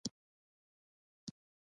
غیر عضوي ترکیبي سرې معدني سرې یادیږي.